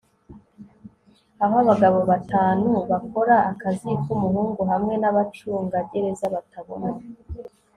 Aho abagabo batanu bakora akazi kumuhungu hamwe nabacungagereza batabona